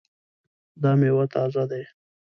دا میوه تازه ده؟